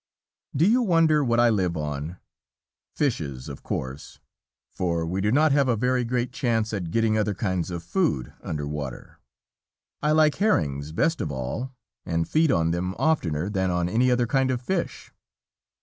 Do you wonder what I live on? Fishes, of course, for we do not have a very great chance at getting other kinds of food under water. I like herrings best of all, and feed on them oftener than on any other kind of fish.